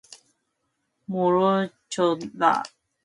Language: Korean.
멈춰라!